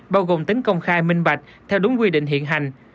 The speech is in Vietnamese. bao gồm tính công khai minh bạch theo đúng quy định hiện hành